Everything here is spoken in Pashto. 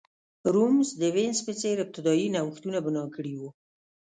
روم د وینز په څېر ابتدايي نوښتونه بنا کړي وو.